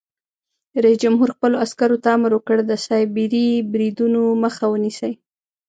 رئیس جمهور خپلو عسکرو ته امر وکړ؛ د سایبري بریدونو مخه ونیسئ!